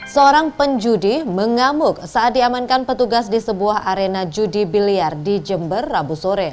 seorang penjudi mengamuk saat diamankan petugas di sebuah arena judi biliar di jember rabu sore